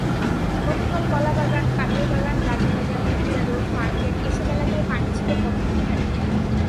গতকাল কলাবাগান, কাঁঠালবাগান, রাজাবাজার, ইন্দিরা রোড, ফার্মগেট—এসব এলাকায় পানি ছিল পথের কিনার দিয়ে।